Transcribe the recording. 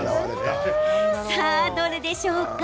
さあ、どれでしょうか？